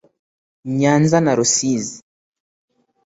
Nyanza na Rusizi